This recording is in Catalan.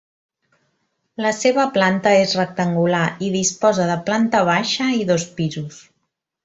La seva planta és rectangular i disposa de planta baixa i dos pisos.